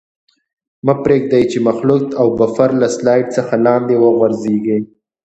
مه پرېږدئ چې مخلوط او بفر له سلایډ څخه لاندې وغورځيږي.